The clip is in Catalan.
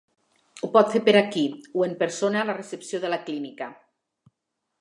Ho pot fer per aquí, o en persona a la recepció de la clínica.